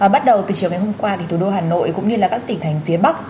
bắt đầu từ chiều ngày hôm qua thủ đô hà nội cũng như các tỉnh thành phía bắc